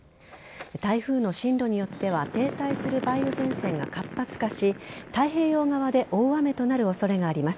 台風の進路によっては停滞する梅雨前線が活発化し太平洋側で大雨となる恐れがあります。